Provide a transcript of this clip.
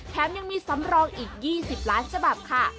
แถมยังมีสำรองอีก๒๐ล้านฉบับค่ะ